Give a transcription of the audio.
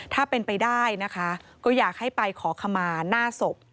ถ้าเป็นไปได้นะคะก็อยากให้ไปขอขมาหน้าศพ